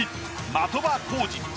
的場浩司。